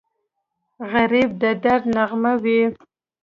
غریب د درد نغمه وي